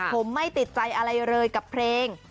ผมไม่ติดใจอะไรเลยกับเพลง